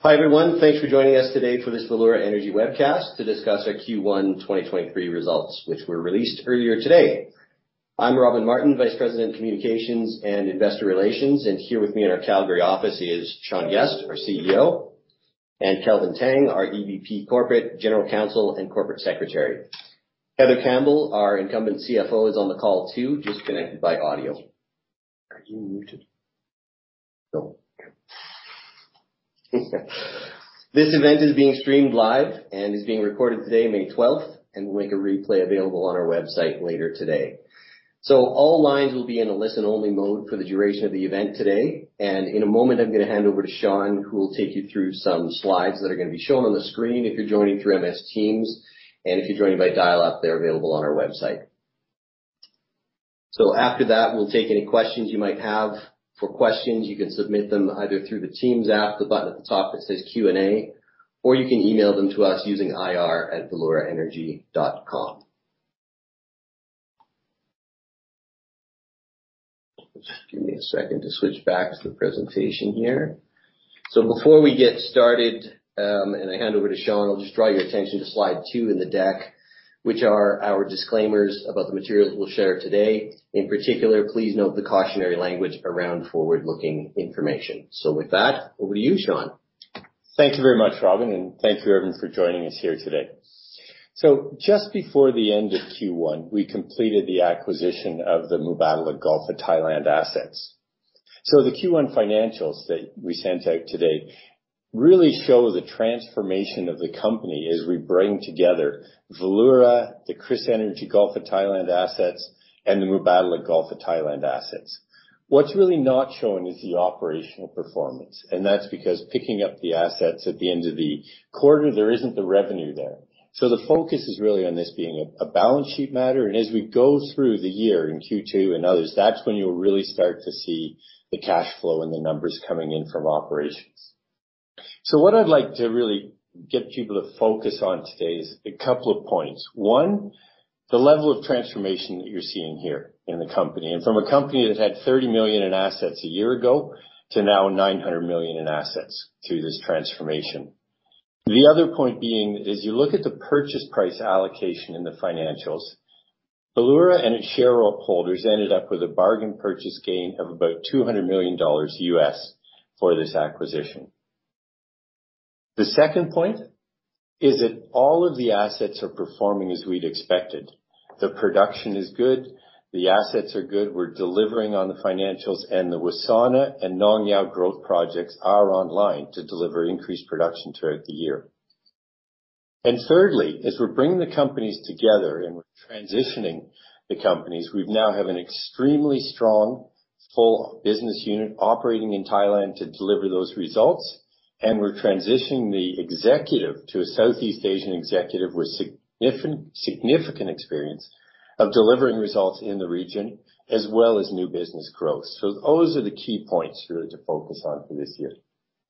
Hi, everyone. Thanks for joining us today for this Valeura Energy webcast to discuss our Q1 2023 results, which were released earlier today. I'm Robin Martin, Vice President of Communications and Investor Relations, and here with me in our Calgary office is Sean Guest, our CEO, and Kelvin Tang, our EVP Corporate, General Counsel, and Corporate Secretary. Heather Campbell, our incumbent CFO, is on the call too, just connected by audio. Are you muted? No. This event is being streamed live and is being recorded today, May 12th, and we'll make a replay available on our website later today. All lines will be in a listen-only mode for the duration of the event today. In a moment, I'm gonna hand over to Sean, who will take you through some slides that are gonna be shown on the screen if you're joining through MS Teams, and if you're joining by dial-up, they're available on our website. After that, we'll take any questions you might have. For questions, you can submit them either through the Teams app, the button at the top that says Q&A, or you can email them to us using ir@valeuraenergy.com. Just give me a second to switch back to the presentation here. Before we get started, and I hand over to Sean, I'll just draw your attention to slide two in the deck, which are our disclaimers about the materials we'll share today. In particular, please note the cautionary language around forward-looking information. With that, over to you, Sean. Thank you very much, Robin, thank you everyone for joining us here today. Just before the end of Q1, we completed the acquisition of the Mubadala Gulf of Thailand assets. The Q1 financials that we sent out today really show the transformation of the company as we bring together Valeura, the KrisEnergy Gulf of Thailand assets, and the Mubadala Gulf of Thailand assets. What's really not shown is the operational performance, that's because picking up the assets at the end of the quarter, there isn't the revenue there. The focus is really on this being a balance sheet matter, as we go through the year in Q2 and others, that's when you'll really start to see the cash flow and the numbers coming in from operations. What I'd like to really get people to focus on today is a couple of points. One, the level of transformation that you're seeing here in the company, and from a company that had $30 million in assets a year ago to now $900 million in assets through this transformation. The other point being, as you look at the purchase price allocation in the financials, Valeura and its shareholders ended up with a bargain purchase gain of about $200 million U.S. for this acquisition. The second point is that all of the assets are performing as we'd expected. The production is good, the assets are good, we're delivering on the financials, and the Wassana and Nong Yao growth projects are online to deliver increased production throughout the year. Thirdly, as we're bringing the companies together and we're transitioning the companies, we now have an extremely strong full business unit operating in Thailand to deliver those results, and we're transitioning the executive to a Southeast Asian executive with significant experience of delivering results in the region as well as new business growth. Those are the key points really to focus on for this year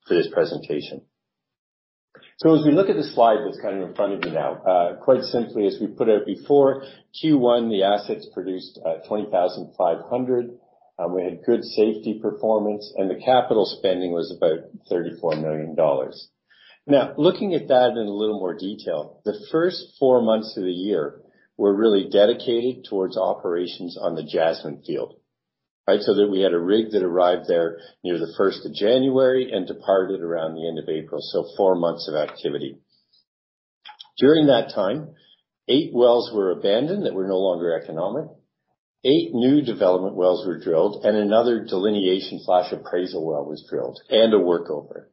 for this presentation. As we look at the slide that's kind of in front of you now, quite simply, as we put out before, Q1, the assets produced, 20,500, we had good safety performance, and the capital spending was about $34 million. Now, looking at that in a little more detail, the first four months of the year were really dedicated towards operations on the Jasmine field. Right? That we had a rig that arrived there near the 1st of January and departed around the end of April, so 4 months of activity. During that time, 8 wells were abandoned that were no longer economic. 8 new development wells were drilled, and another delineation/appraisal well was drilled and a workover.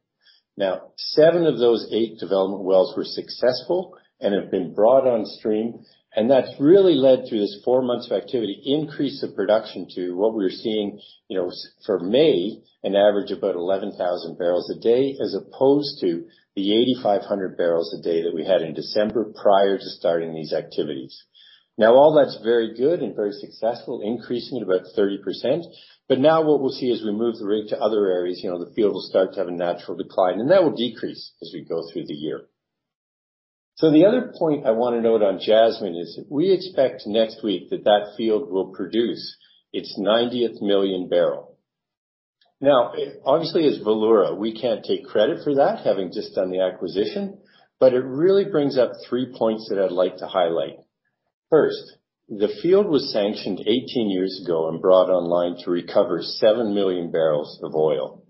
7 of those 8 development wells were successful and have been brought on stream, and that's really led to this 4 months of activity increase of production to what we're seeing, you know, for May, an average of about 11,000 barrels a day as opposed to the 8,500 barrels a day that we had in December prior to starting these activities. All that's very good and very successful, increasing at about 30%, now what we'll see as we move the rig to other areas, you know, the field will start to have a natural decline, and that will decrease as we go through the year. The other point I wanna note on Jasmine is we expect next week that that field will produce its 90th million barrel. Obviously, as Valeura, we can't take credit for that, having just done the acquisition, but it really brings up 3 points that I'd like to highlight. First, the field was sanctioned 18 years ago and brought online to recover 7 million barrels of oil.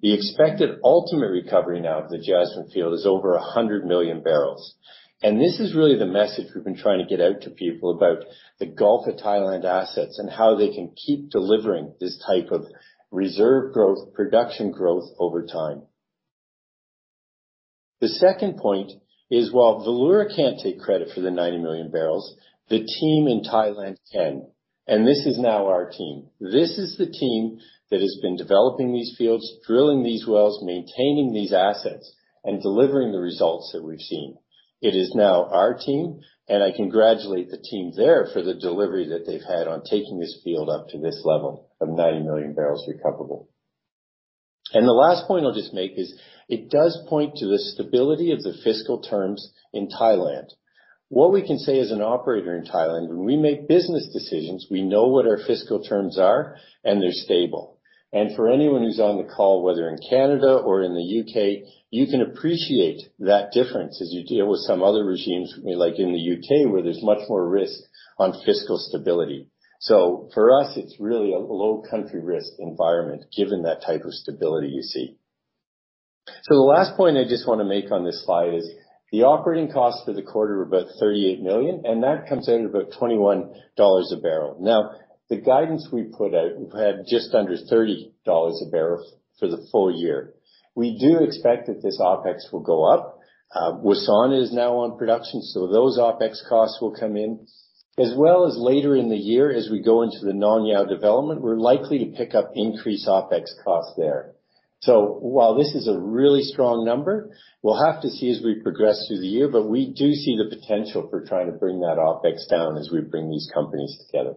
The expected ultimate recovery now of the Jasmine field is over 100 million barrels, and this is really the message we've been trying to get out to people about the Gulf of Thailand assets and how they can keep delivering this type of reserve growth, production growth over time. The second point is, while Valeura can't take credit for the 90 million barrels, the team in Thailand can, and this is now our team. This is the team that has been developing these fields, drilling these wells, maintaining these assets, and delivering the results that we've seen. It is now our team, and I congratulate the team there for the delivery that they've had on taking this field up to this level of 90 million barrels recoverable. The last point I'll just make is it does point to the stability of the fiscal terms in Thailand. What we can say as an operator in Thailand, when we make business decisions, we know what our fiscal terms are, and they're stable. For anyone who's on the call, whether in Canada or in the U.K., you can appreciate that difference as you deal with some other regimes, like in the U.K., where there's much more risk on fiscal stability. For us, it's really a low country risk environment, given that type of stability you see. The last point I just wanna make on this slide is the operating costs for the quarter were about $38 million, and that comes out at about $21 a barrel. Now, the guidance we put out, we've had just under $30 a barrel for the full year. We do expect that this OpEx will go up. Wassana is now on production, those OpEx costs will come in as well as later in the year as we go into the Nong Yao development, we're likely to pick up increased OpEx costs there. While this is a really strong number, we'll have to see as we progress through the year, but we do see the potential for trying to bring that OpEx down as we bring these companies together.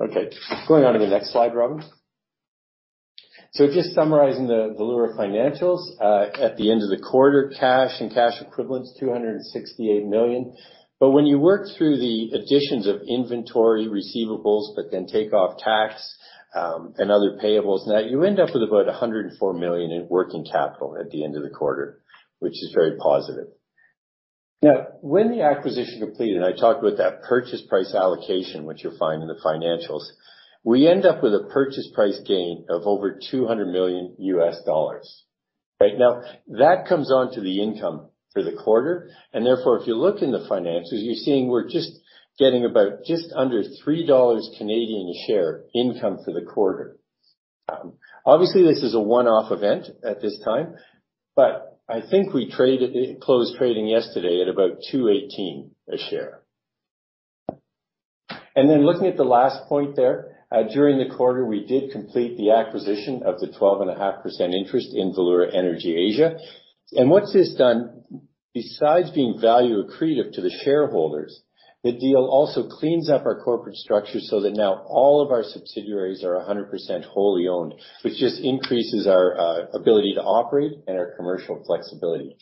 Okay, going on to the next slide, Robin. Just summarizing the Valeura financials, at the end of the quarter, cash and cash equivalents, $268 million. When you work through the additions of inventory receivables, then take off tax, and other payables, now you end up with about $104 million in working capital at the end of the quarter, which is very positive. When the acquisition completed, I talked about that purchase price allocation, which you'll find in the financials. We end up with a purchase price gain of over $200 million, right? That comes on to the income for the quarter, and therefore, if you look in the financials, you're seeing we're just getting about just under 3 Canadian dollars a share income for the quarter. Obviously, this is a one-off event at this time, but I think it closed trading yesterday at about 2.18 a share. Looking at the last point there, during the quarter, we did complete the acquisition of the 12.5% interest in Valeura Energy Asia. What this done, besides being value accretive to the shareholders, the deal also cleans up our corporate structure so that now all of our subsidiaries are 100% wholly owned, which just increases our ability to operate and our commercial flexibility.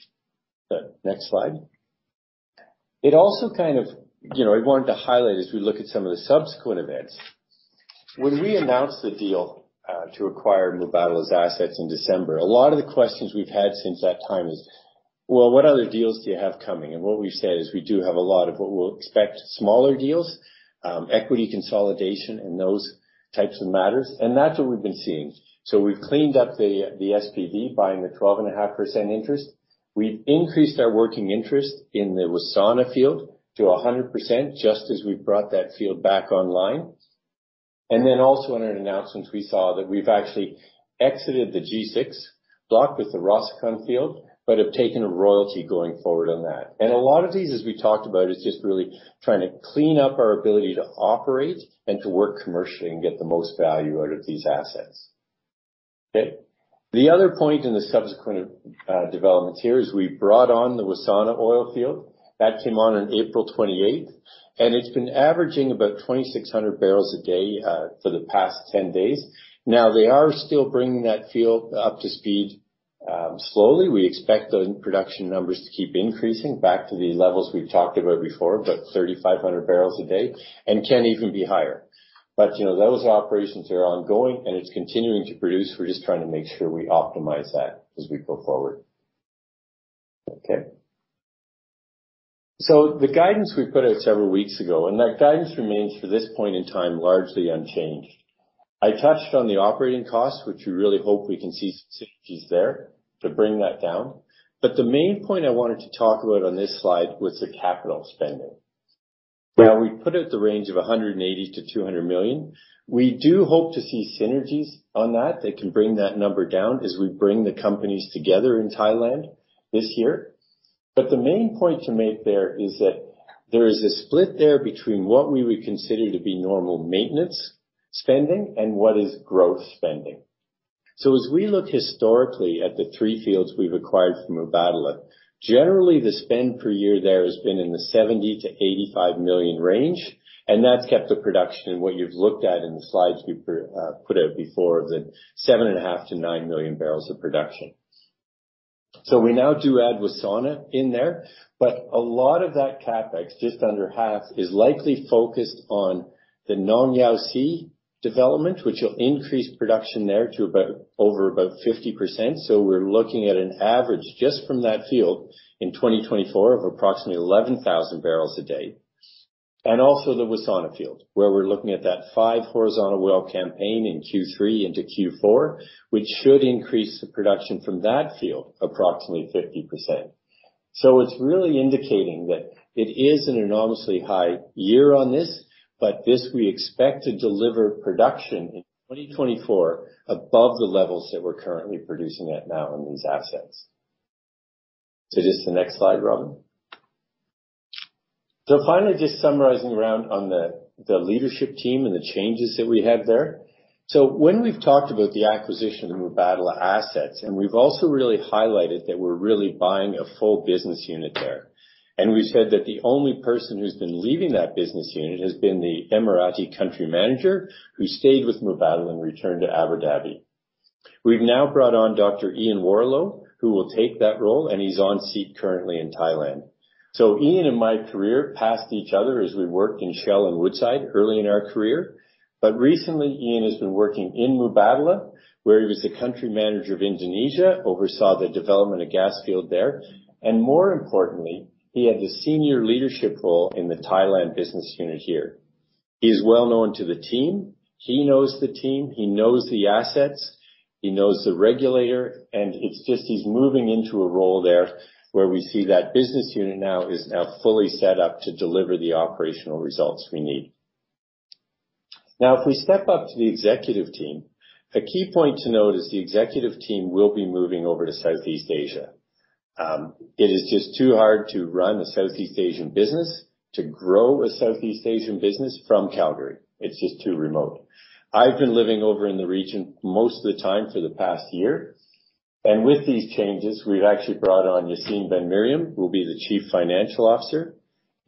The next slide. It also you know, I wanted to highlight as we look at some of the subsequent events. When we announced the deal to acquire Mubadala's assets in December, a lot of the questions we've had since that time is, "Well, what other deals do you have coming?" What we've said is we do have a lot of what we'll expect, smaller deals, equity consolidation and those types of matters, and that's what we've been seeing. We've cleaned up the SPV buying the 12.5% interest. We increased our working interest in the Wassana field to 100%, just as we brought that field back online. Also in an announcement, we saw that we've actually exited the G6 block with the Rossukon field, but have taken a royalty going forward on that. A lot of these, as we talked about, is just really trying to clean up our ability to operate and to work commercially and get the most value out of these assets. Okay? The other point in the subsequent development here is we brought on the Wassana oil field. That came on April 28th, and it's been averaging about 2,600 barrels a day for the past 10 days. Now, they are still bringing that field up to speed slowly. We expect the production numbers to keep increasing back to the levels we've talked about before, about 3,500 barrels a day, and can even be higher. You know, those operations are ongoing, and it's continuing to produce. We're just trying to make sure we optimize that as we go forward. Okay. The guidance we put out several weeks ago, and that guidance remains for this point in time, largely unchanged. I touched on the operating costs, which we really hope we can see some synergies there to bring that down. The main point I wanted to talk about on this slide was the capital spending. We put out the range of $180 million-$200 million. We do hope to see synergies on that that can bring that number down as we bring the companies together in Thailand this year. The main point to make there is that there is a split there between what we would consider to be normal maintenance spending and what is growth spending. As we look historically at the three fields we've acquired from Mubadala, generally, the spend per year there has been in the $70 million-$85 million range, and that's kept the production in what you've looked at in the slides we put out before, the 7.5 million-9 million barrels of production. We now do add Wassana in there, but a lot of that CapEx, just under half, is likely focused on the Nong Yao C development, which will increase production there to over about 50%. We're looking at an average just from that field in 2024 of approximately 11,000 barrels a day. Also the Wassana field, where we're looking at that five horizontal well campaign in Q3 into Q4, which should increase the production from that field approximately 50%. It's really indicating that it is an enormously high year on this, but this we expect to deliver production in 2024 above the levels that we're currently producing at now on these assets. Just the next slide, Robin. Finally, just summarizing around on the leadership team and the changes that we have there. When we've talked about the acquisition of Mubadala assets, we've also really highlighted that we're really buying a full business unit there. We said that the only person who's been leaving that business unit has been the Emirati country manager who stayed with Mubadala and returned to Abu Dhabi. We've now brought on Dr. Ian Warrilow, who will take that role, and he's on seat currently in Ian Warrilow and my career passed each other as we worked in Shell and Woodside early in our career. Ian Warrilow has been working in Mubadala, where he was the country manager of Indonesia, oversaw the development of gas field there, and more importantly, he had the senior leadership role in the Thailand business unit here. He is well known to the team. He knows the team, he knows the assets, he knows the regulator, and it's just he's moving into a role there where we see that business unit is now fully set up to deliver the operational results we need. If we step up to the executive team, a key point to note is the executive team will be moving over to Southeast Asia. It is just too hard to run a Southeast Asian business, to grow a Southeast Asian business from Calgary. It's just too remote. I've been living over in the region most of the time for the past year, and with these changes, we've actually brought on Yacine Ben-Meriem, who will be the Chief Financial Officer.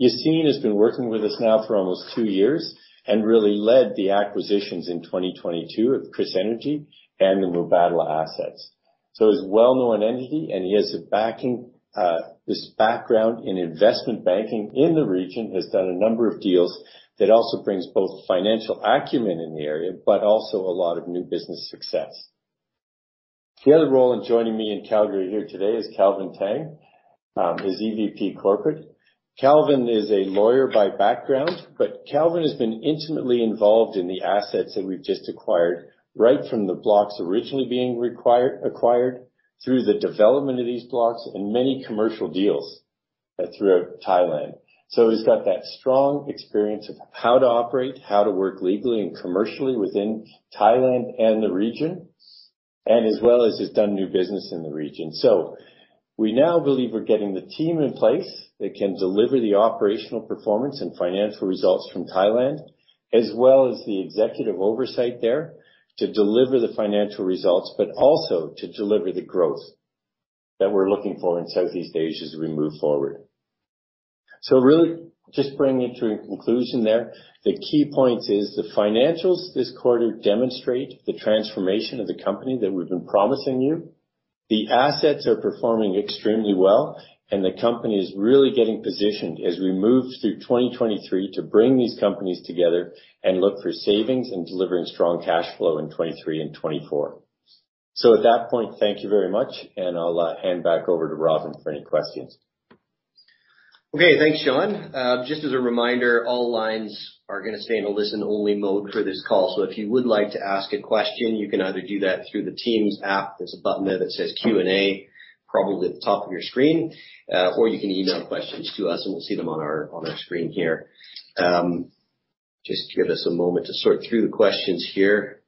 Yacine has been working with us now for almost 2 years and really led the acquisitions in 2022 of KrisEnergy and the Mubadala assets. He's well-known entity, and he has a backing, this background in investment banking in the region, has done a number of deals that also brings both financial acumen in the area, but also a lot of new business success. The other role in joining me in Calgary here today is Kelvin Tang, is EVP Corporate. Kelvin is a lawyer by background, but Kelvin has been intimately involved in the assets that we've just acquired, right from the blocks originally being acquired, through the development of these blocks and many commercial deals throughout Thailand. He's got that strong experience of how to operate, how to work legally and commercially within Thailand and the region, and as well as he's done new business in the region. We now believe we're getting the team in place that can deliver the operational performance and financial results from Thailand, as well as the executive oversight there to deliver the financial results, but also to deliver the growth that we're looking for in Southeast Asia as we move forward. Really just bringing it to a conclusion there. The key point is the financials this quarter demonstrate the transformation of the company that we've been promising you. The assets are performing extremely well, and the company is really getting positioned as we move through 2023 to bring these companies together and look for savings and delivering strong cash flow in 2023 and 2024. At that point, thank you very much, and I'll hand back over to Robin for any questions. Okay, thanks, Sean. Just as a reminder, all lines are gonna stay in a listen-only mode for this call. If you would like to ask a question, you can either do that through the Teams app. There's a button there that says Q&A, probably at the top of your screen, or you can email questions to us, and we'll see them on our screen here. Just give us a moment to sort through the questions here.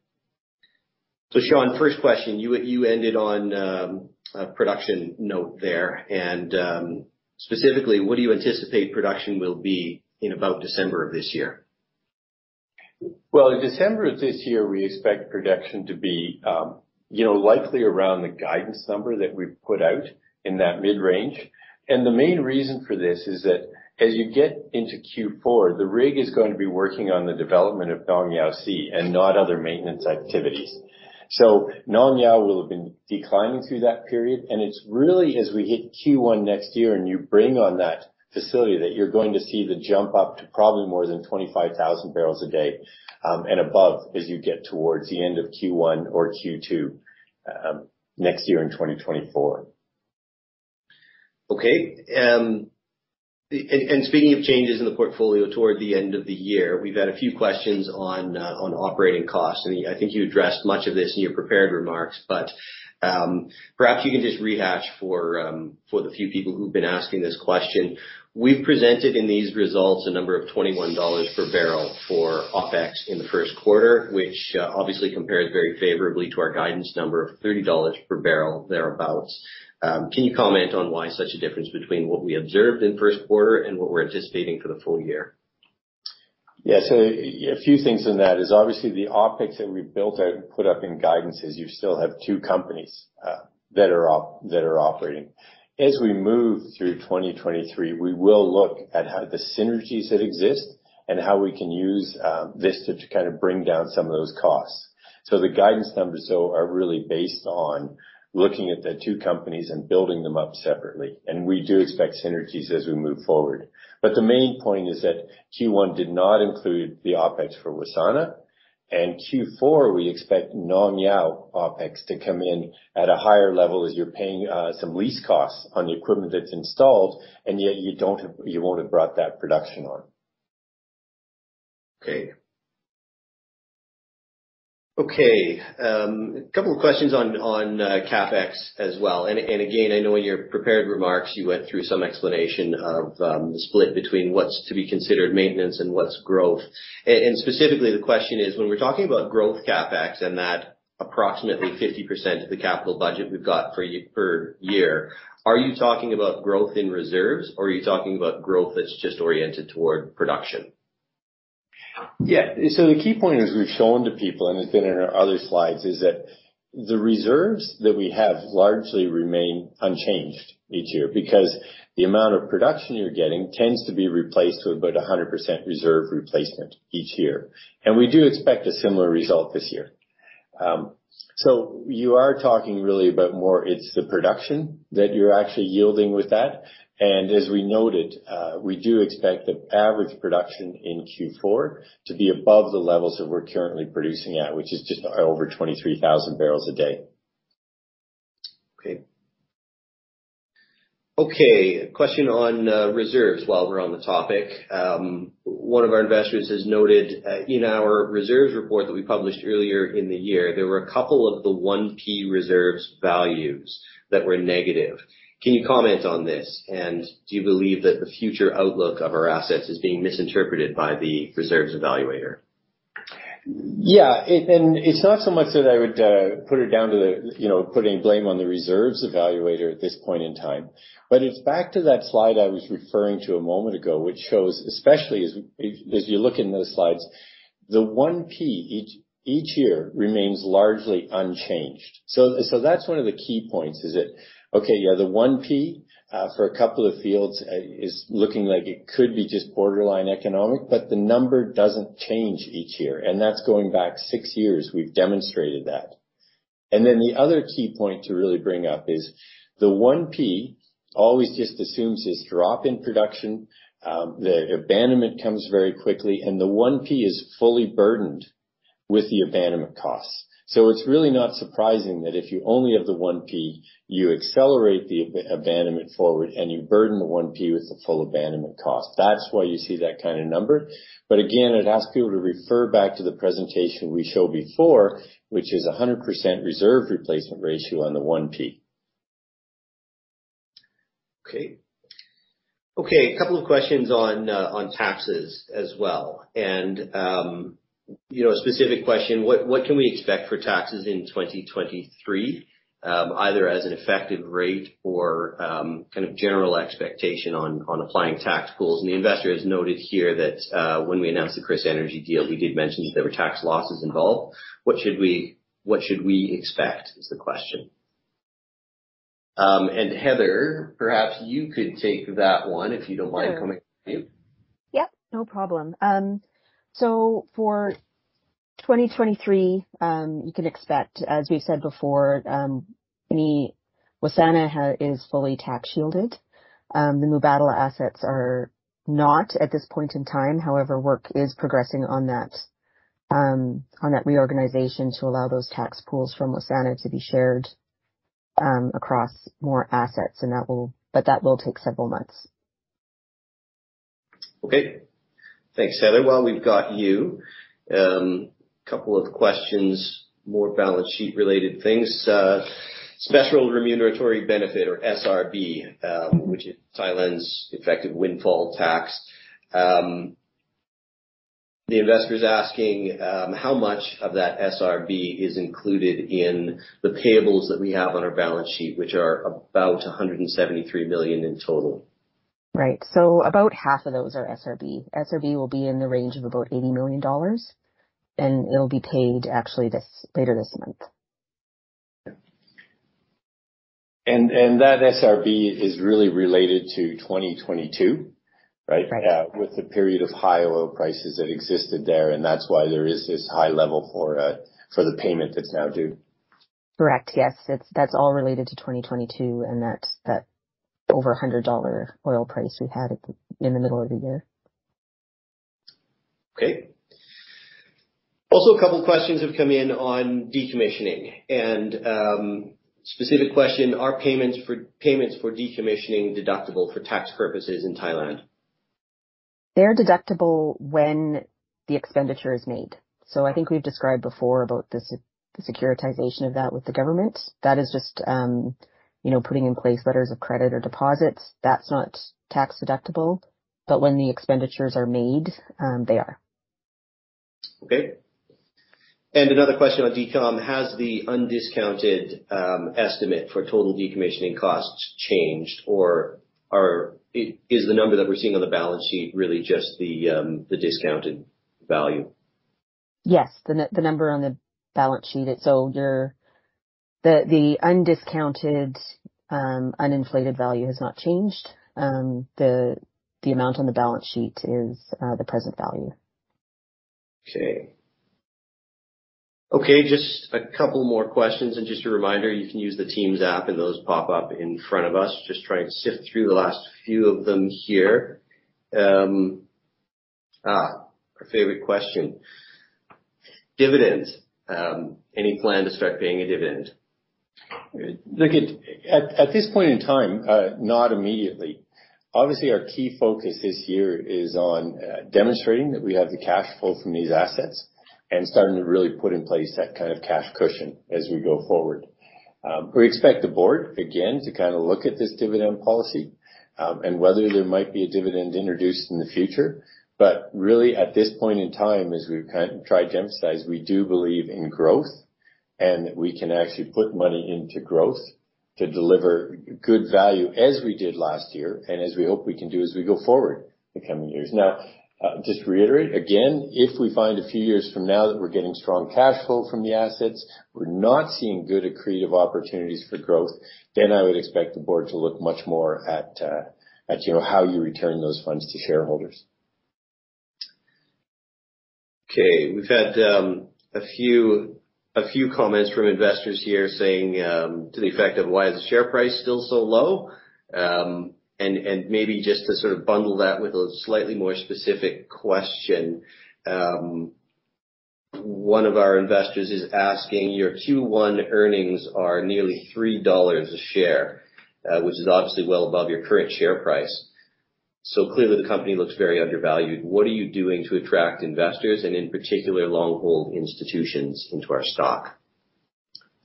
Sean, first question. You ended on a production note there and specifically, what do you anticipate production will be in about December of this year? Well, in December of this year, we expect production to be, you know, likely around the guidance number that we've put out in that mid-range. The main reason for this is that as you get into Q4, the rig is going to be working on the development of Nong Yao C and not other maintenance activities. Nong Yao will have been declining through that period, and it's really as we hit Q1 next year and you bring on that facility that you're going to see the jump up to probably more than 25,000 barrels a day, and above as you get towards the end of Q1 or Q2, next year in 2024. Okay. And speaking of changes in the portfolio toward the end of the year, we've had a few questions on operating costs, and I think you addressed much of this in your prepared remarks, but perhaps you can just rehash for the few people who've been asking this question. We've presented in these results a number of $21 per barrel for OpEx in the first quarter, which obviously compares very favorably to our guidance number of $30 per barrel thereabouts. Can you comment on why such a difference between what we observed in first quarter and what we're anticipating for the full year? Yeah. A few things in that is obviously the OpEx that we built out and put up in guidance is you still have two companies that are operating. As we move through 2023, we will look at how the synergies that exist and how we can use this to kind of bring down some of those costs. The guidance numbers though are really based on looking at the two companies and building them up separately, and we do expect synergies as we move forward. The main point is that Q1 did not include the OpEx for Wassana, and Q4, we expect Nong Yao OpEx to come in at a higher level as you're paying some lease costs on the equipment that's installed, and yet you won't have brought that production on. Okay. Okay, a couple of questions on CapEx as well. Again, I know in your prepared remarks you went through some explanation of the split between what's to be considered maintenance and what's growth. Specifically the question is, when we're talking about growth CapEx and that approximately 50% of the capital budget we've got per year, are you talking about growth in reserves or are you talking about growth that's just oriented toward production? The key point is we've shown to people, and it's been in our other slides, is that the reserves that we have largely remain unchanged each year because the amount of production you're getting tends to be replaced with about 100% reserve replacement each year. We do expect a similar result this year. You are talking really about more it's the production that you're actually yielding with that. As we noted, we do expect the average production in Q4 to be above the levels that we're currently producing at, which is just over 23,000 barrels a day. Okay. Okay, a question on reserves while we're on the topic. One of our investors has noted in our reserves report that we published earlier in the year, there were a couple of the 1P reserves values that were negative. Can you comment on this? Do you believe that the future outlook of our assets is being misinterpreted by the reserves evaluator? Yeah. It's not so much that I would put it down to the, you know, putting blame on the reserves evaluator at this point in time, but it's back to that slide I was referring to a moment ago, which shows especially as you look in those slides, the 1P each year remains largely unchanged. That's one of the key points is that, okay, yeah, the 1P for a couple of fields is looking like it could be just borderline economic, but the number doesn't change each year, and that's going back six years we've demonstrated that. The other key point to really bring up is the 1P always just assumes this drop in production, the abandonment comes very quickly, and the 1P is fully burdened with the abandonment costs. It's really not surprising that if you only have the 1P, you accelerate the abandonment forward and you burden the 1P with the full abandonment cost. That's why you see that kind of number. Again, I'd ask people to refer back to the presentation we showed before, which is a 100% reserve replacement ratio on the 1P. Okay, a couple of questions on taxes as well. You know, a specific question, what can we expect for taxes in 2023, either as an effective rate or kind of general expectation on applying tax pools? The investor has noted here that when we announced the KrisEnergy deal, he did mention that there were tax losses involved. What should we expect, is the question. Heather, perhaps you could take that one, if you don't mind coming to you. Yep, no problem. For 2023, you can expect, as we've said before, any Wassana is fully tax shielded. The Mubadala assets are not at this point in time. However, work is progressing on that reorganization to allow those tax pools from Wassana to be shared across more assets. That will take several months. Okay. Thanks, Heather. While we've got you, a couple of questions, more balance sheet related things. Special Remuneratory Benefit or SRB, which is Thailand's effective windfall tax. The investor is asking, how much of that SRB is included in the payables that we have on our balance sheet, which are about $173 million in total? Right. About half of those are SRB. SRB will be in the range of about $80 million, and it'll be paid actually this, later this month. That SRB is really related to 2022, right? Right. With the period of high oil prices that existed there, and that's why there is this high level for the payment that's now due. Correct. Yes. That's all related to 2022 and that over $100 oil price we had in the middle of the year. Okay. Also, a couple of questions have come in on decommissioning. specific question, are payments for decommissioning deductible for tax purposes in Thailand? They're deductible when the expenditure is made. I think we've described before about the securitization of that with the government. That is just, you know, putting in place letters of credit or deposits. That's not tax-deductible, but when the expenditures are made, they are. Okay. Another question on decom. Has the undiscounted estimate for total decommissioning costs changed or is the number that we're seeing on the balance sheet really just the discounted value? Yes. The number on the balance sheet, it's older. The undiscounted, uninflated value has not changed. The amount on the balance sheet is the present value. Okay. Okay, just a couple more questions. Just a reminder, you can use the Teams app and those pop up in front of us. Just trying to sift through the last few of them here. Our favorite question. Dividends. Any plan to start paying a dividend? Look at this point in time, not immediately. Obviously, our key focus this year is on demonstrating that we have the cash flow from these assets and starting to really put in place that kind of cash cushion as we go forward. We expect the board again to kind of look at this dividend policy, and whether there might be a dividend introduced in the future. Really at this point in time, as we've kind of tried to emphasize, we do believe in growth and that we can actually put money into growth to deliver good value as we did last year and as we hope we can do as we go forward in the coming years. Just to reiterate again, if we find a few years from now that we're getting strong cash flow from the assets, we're not seeing good accretive opportunities for growth, then I would expect the board to look much more at, you know, how you return those funds to shareholders. Okay, we've had a few comments from investors here saying, to the effect of why is the share price still so low? Maybe just to sort of bundle that with a slightly more specific question, one of our investors is asking, your Q1 earnings are nearly $3 a share, which is obviously well above your current share price. Clearly the company looks very undervalued. What are you doing to attract investors and in particular long-hold institutions into our stock?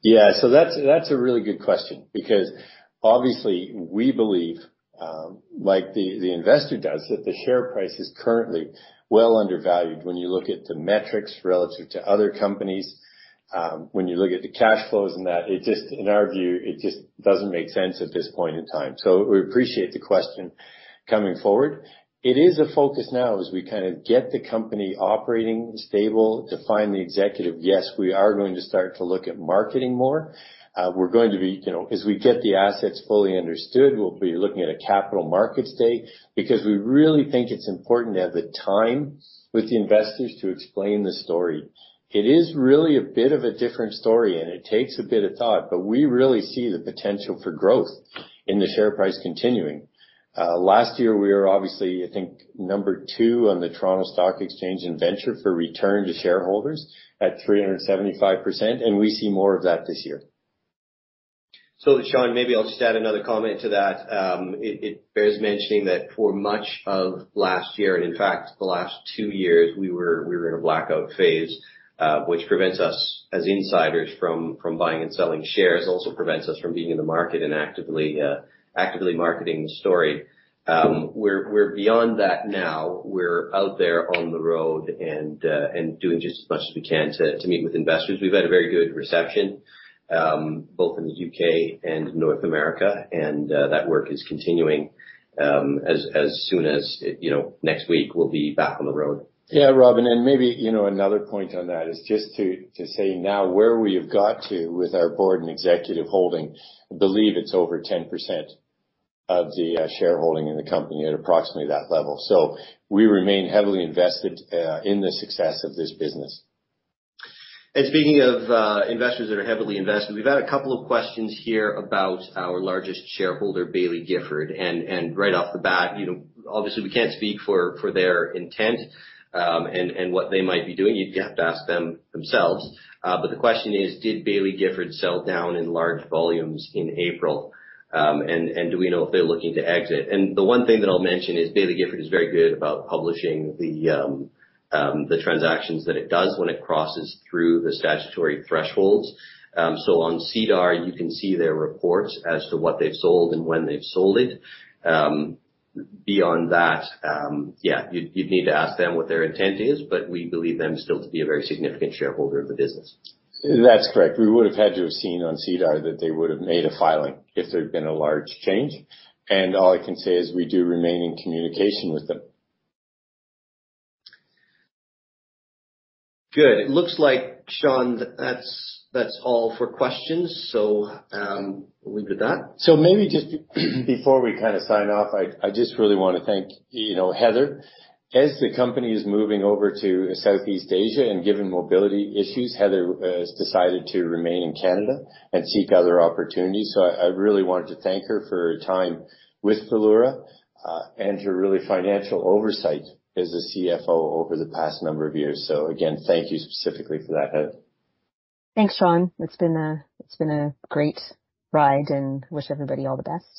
That's a really good question because obviously we believe, like the investor does, that the share price is currently well undervalued when you look at the metrics relative to other companies, when you look at the cash flows and that. In our view, it just doesn't make sense at this point in time. We appreciate the question coming forward. It is a focus now as we kind of get the company operating stable to find the executive. Yes, we are going to start to look at marketing more. We're going to be, you know, as we get the assets fully understood, we'll be looking at a capital market state because we really think it's important to have the time with the investors to explain the story. It is really a bit of a different story, and it takes a bit of thought, but we really see the potential for growth in the share price continuing. Last year we were obviously, I think, number two on the Toronto Stock Exchange in venture for return to shareholders at 375%, and we see more of that this year. Sean, maybe I'll just add another comment to that. It bears mentioning that for much of last year, and in fact the last 2 years we were in a blackout phase, which prevents us as insiders from buying and selling shares. Also prevents us from being in the market and actively marketing the story. We're beyond that now. We're out there on the road and doing just as much as we can to meet with investors. We've had a very good reception, both in the U.K. and North America, and that work is continuing as soon as, you know, next week we'll be back on the road. Yeah, Robin, maybe, you know, another point on that is just to say now where we have got to with our board and executive holding, I believe it's over 10% of the shareholding in the company at approximately that level. We remain heavily invested in the success of this business. Speaking of investors that are heavily invested, we've had a couple of questions here about our largest shareholder, Baillie Gifford. Right off the bat, you know, obviously we can't speak for their intent and what they might be doing. You'd have to ask them themselves. The question is, did Baillie Gifford sell down in large volumes in April? Do we know if they're looking to exit? The one thing that I'll mention is Baillie Gifford is very good about publishing the transactions that it does when it crosses through the statutory thresholds. On SEDAR, you can see their reports as to what they've sold and when they've sold it. Beyond that, yeah, you'd need to ask them what their intent is, but we believe them still to be a very significant shareholder of the business. That's correct. We would have had to have seen on SEDAR that they would have made a filing if there'd been a large change. All I can say is we do remain in communication with them. Good. It looks like, Sean, that that's all for questions. We'll leave it at that. Maybe just before we kinda sign off, I just really wanna thank, you know, Heather. As the company is moving over to Southeast Asia and given mobility issues, Heather has decided to remain in Canada and seek other opportunities. I really wanted to thank her for her time with Valeura and her really financial oversight as a CFO over the past number of years. Again, thank you specifically for that, Heather. Thanks, Sean. It's been a great ride, and wish everybody all the best.